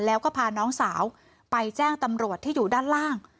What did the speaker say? แล้วก็พาน้องสาวไปแจ้งตำรวจที่อยู่ด้านล่าง